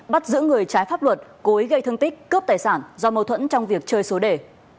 bắt giữ người trái pháp luật cố ý gây thương tích cướp tài sản do mâu thuẫn trong việc chơi số đề